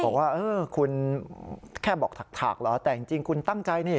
บอกว่าเออคุณแค่บอกถากเหรอแต่จริงคุณตั้งใจนี่